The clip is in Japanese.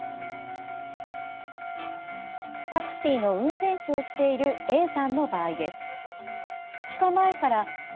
タクシーの運転手をしているＡさんの場合です。